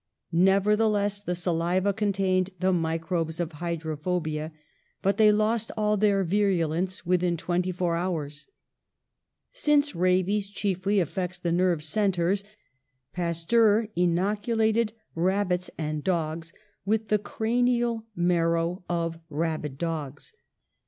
Nevertheless, the saliva contained the microbes of hydrophobia, but they lost all their virulence within twenty four hours. Since rabies chiefly affects the nerve centres, Pasteur inoculated rabbits and dogs with the cranial marrow of rabid dogs.